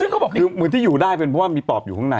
เขาบอกคือเหมือนที่อยู่ได้เป็นเพราะว่ามีปอบอยู่ข้างใน